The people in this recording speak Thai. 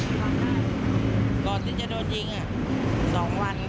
นะก่อนที่จะโดนจิ๊งอ่ะ๒วัน